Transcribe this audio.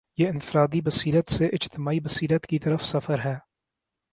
یہ انفرادی بصیرت سے اجتماعی بصیرت کی طرف سفر ہے۔